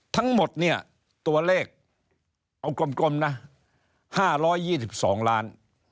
ทั้งหมดเนี่ยตัวเลขเอากลมนะ๕๒๒ล้าน